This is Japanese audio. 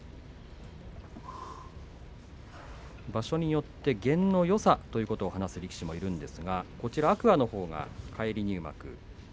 場所によって験のよさということを話す力士もいますが天空海は返り入幕